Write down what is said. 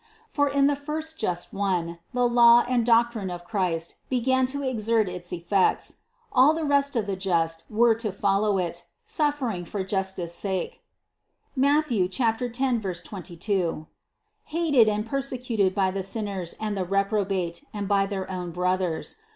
For in the first just one the law and doctrine of Christ began to exert its effects. All the rest of the just were THE CONCEPTION 131 to follow it, suffering for justice sake (Matth. 10, 22), hated and persecuted by the sinners and the reprobate and by their own brothers.